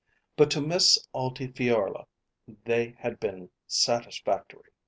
But to Miss Altifiorla they had been satisfactory.